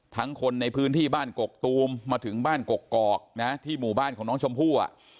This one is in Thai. คนในพื้นที่บ้านกกตูมมาถึงบ้านกกอกนะที่หมู่บ้านของน้องชมพู่